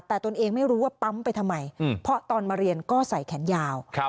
แต่ตนเองไม่รู้ว่าปั๊มไปทำไมเพราะตอนมาเรียนก็ใส่แขนยาว